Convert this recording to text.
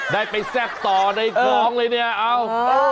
ได้ไปแซ่บต่อในคลองเลยเนี่ยเอา